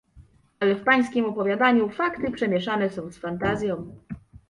"Ale w pańskiem opowiadaniu fakty pomieszane są z fantazją."